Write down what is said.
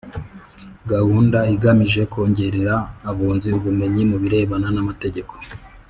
Gahunda igamije kongerera Abunzi ubumenyi mu birebana n’amategeko